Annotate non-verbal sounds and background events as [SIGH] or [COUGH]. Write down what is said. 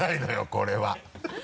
これは [LAUGHS]